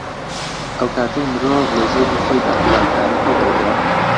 ئەو کاتەی مرۆڤ لە زێدی خۆیدا هیواکانی هەڵدەوەرێن